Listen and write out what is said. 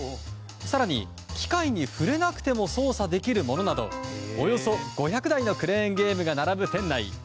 更に、機械に触れなくても操作できるものなどおよそ５００台のクレーンゲームが並ぶ店内。